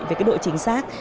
về cái độ chính xác